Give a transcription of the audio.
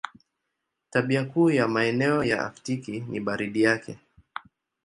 Tabia kuu ya maeneo ya Aktiki ni baridi yake.